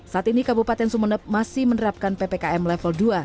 saat ini kabupaten sumeneb masih menerapkan ppkm level dua